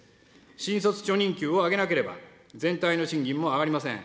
新卒初任給を上げなければ、全体の賃金も上がりません。